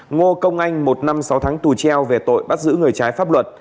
ngô công anh một năm sáu tháng tù treo về tội bắt giữ người trái pháp luật